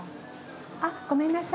あっごめんなさい。